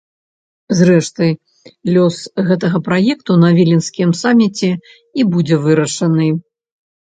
Зрэшты, лёс гэтага праекту на віленскім саміце і будзе вырашаны.